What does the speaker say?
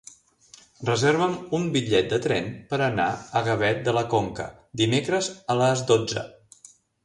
Reserva'm un bitllet de tren per anar a Gavet de la Conca dimecres a les dotze.